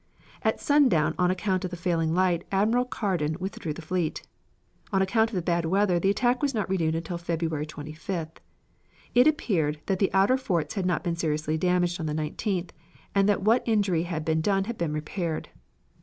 At sundown on account of the failing light Admiral Carden withdrew the fleet. On account of the bad weather the attack was not renewed until February 25th. It appeared that the outer forts had not been seriously damaged on the 19th, and that what injury had been done had been repaired.